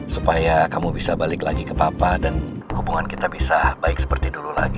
supaya kamu bisa balik lagi ke papa dan hubungan kita bisa baik seperti dulu lagi